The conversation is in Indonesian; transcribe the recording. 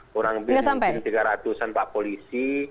kurang lebih mungkin tiga ratus an pak polisi